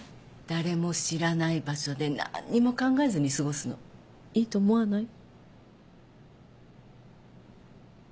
誰も知らない場所で何にも考えずに過ごすのいいと思わない？